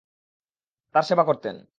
তার সেবা করতেন।